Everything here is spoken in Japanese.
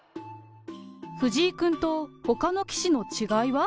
藤井君とほかの棋士の違いは？